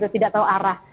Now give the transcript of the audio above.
tidak tahu arah